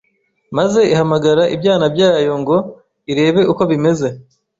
maze ihamagara ibyana byayo, ngo irebe uko bimeze